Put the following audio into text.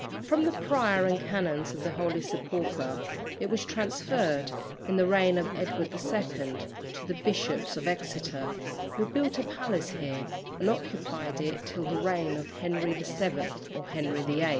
From the Prior and Canons of the Holy Sepulchre it was transferred, in the reign of Edward II. to the Bishops of Exeter, who built a palace here and occupied it till the reign of Henry VII. or Henry VIII.